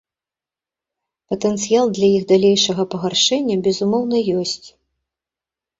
Патэнцыял для іх далейшага пагаршэння, безумоўна, ёсць.